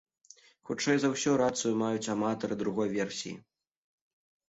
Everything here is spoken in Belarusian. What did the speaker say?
Хутчэй за ўсё, рацыю маюць аматары другой версіі.